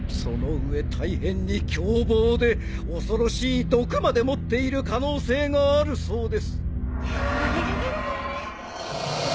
その上大変に凶暴で恐ろしい毒まで持っている可能性があるそうです。